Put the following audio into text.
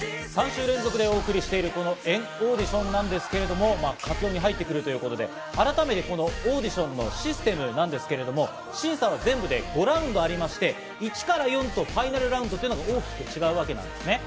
３週連続でお送りしてる、この＆ＡＵＤＩＴＩＯＮなんですけれども、佳境に入ってくるということで改めてこのオーディションのシステムなんですけれども、審査は全部で５ラウンドありまして、１から４とファイナルラウンドというのが大きく違うわけなんですね。